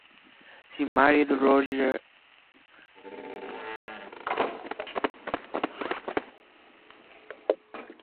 He is widely involved in charities in Vancouver through his Randy Myers Foundation.